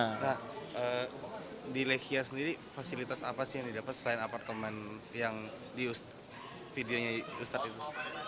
nah di lechia sendiri fasilitas apa sih yang didapat selain apartemen yang videonya ustadz itu